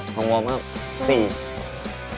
หอมวอร์มครับ